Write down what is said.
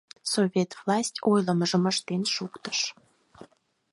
Совет власть ойлымыжым ыштен шуктыш.